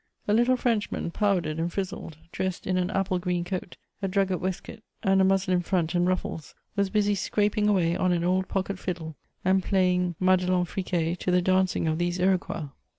A little Frenchman, powdered and frizzled, dressed in an apple green coat, a drugget waistcoat, and a muslin front and ruffles, was busy scraping away on an old pocket fiddle, and playing Madelon Frt quet to the dancing of these Iroquois.